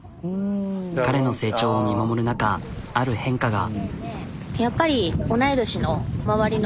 彼の成長を見守る中ある変化が。